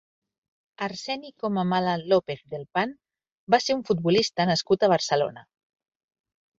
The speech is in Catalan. Arseni Comamala López-Del Pan va ser un futbolista nascut a Barcelona.